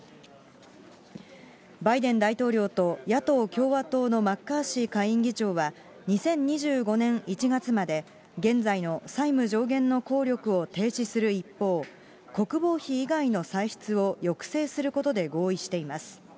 バイデン大統領と、野党・共和党のマッカーシー下院議長は、２０２５年１月まで現在の債務上限の効力を停止する一方、国防費以外の歳出を抑制することで合意しています。